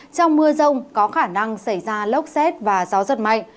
trong mưa rông có khả năng xảy ra lốc xét và gió giật mạnh